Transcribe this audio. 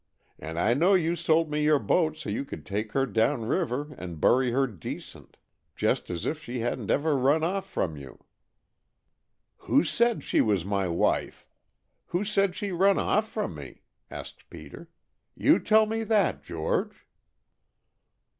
And I know you sold me your boat so you could take her down river and bury her decent, just as if she hadn't ever run off from you " "Who said she was my wife? Who said she run off from me?" asked Peter. "You tell me that, George!"